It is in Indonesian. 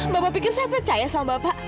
bapak pikir saya percaya sama bapak